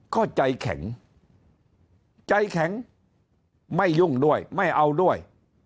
ก็ใจแข็งใจแข็งไม่ยุ่งด้วยไม่เอาด้วย